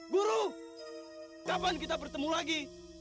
buruh kapan kita bertemu lagi